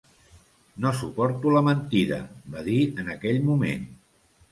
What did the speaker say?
No suporto la mentida, va dir en aquell moment.